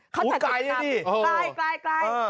เขาจัดการิกละดิโอ้โหใกล้